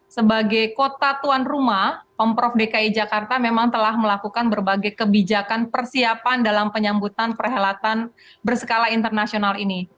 sebagai kota tuan rumah pemprov dki jakarta memang telah melakukan berbagai kebijakan persiapan dalam penyambutan perhelatan berskala internasional ini